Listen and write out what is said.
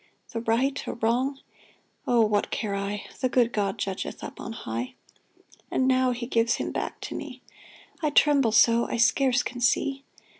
The right or wrong ? Oh, what care I ? The good God judgeth up on high. And now He gives him back to me ! I tremble so — I scarce can see.